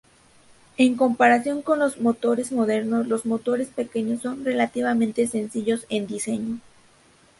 En comparación con los motores modernos, los motores pequeños son relativamente sencillos en diseño.